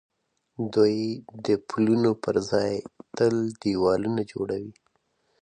دوی د پلونو پر ځای تل دېوالونه جوړوي.